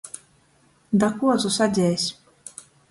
Da kuozu sadzeis.